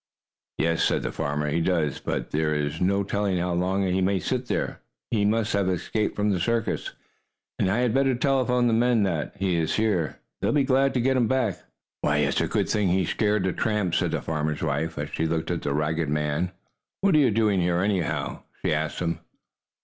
"Yes," said the farmer, "he does. But there is no telling how long he may sit there. He must have escaped from the circus, and I had better telephone the men that he is here. They'll be glad to get him back." "It's a good thing he scared the tramp," said the farmer's wife, as she looked at the ragged man. "What are you doing here, anyhow?" she asked him.